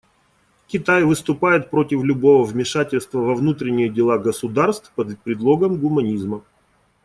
Китай выступает против любого вмешательства во внутренние дела государств под предлогом гуманизма.